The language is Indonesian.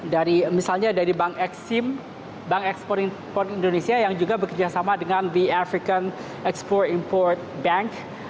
dari misalnya dari bank exim bank ekspor indonesia yang juga bekerjasama dengan the african export import bank